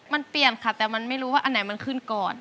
มันเปลี่ยนค่ะแต่มันไม่รู้ว่าอันไหนมันขึ้นก่อน